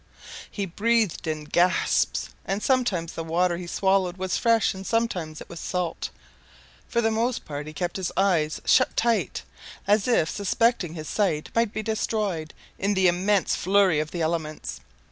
He breathed in gasps; and sometimes the water he swallowed was fresh and sometimes it was salt. For the most part he kept his eyes shut tight, as if suspecting his sight might be destroyed in the immense flurry of the elements.